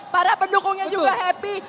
para pendukungnya juga happy